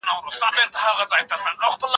خبري د مور له خوا اورېدلي کيږي.